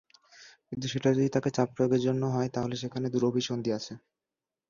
কিন্তু সেটা যদি তাকে চাপ প্রয়োগের জন্য হয়, তাহলে সেখানে দুরভিসন্ধি আছে।